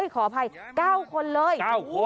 ขออภัย๙คนเลย